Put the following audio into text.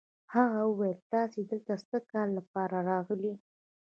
هغه وویل: تاسي دلته د څه کار لپاره راغلئ؟